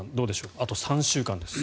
あと３週間です。